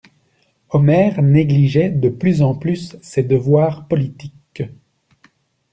Omer négligeait de plus en plus ses devoirs politiques.